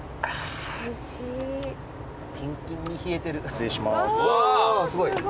失礼します。